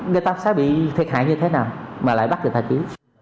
người ta sẽ bị thiệt hại như thế nào mà lại bắt người ta ký